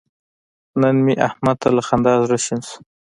نن مې احمد ته له خندا زړه شین شو.